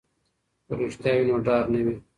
که رښتیا وي نو ډار نه وي.